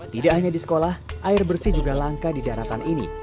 tidak hanya di sekolah air bersih juga langka di daratan ini